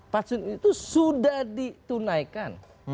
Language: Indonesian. fatsun itu sudah ditunaikan